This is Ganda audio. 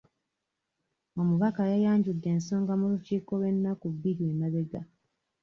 Omubaka yayanjudde ensonga mu lukiiko lw'ennaku bbiri emabega.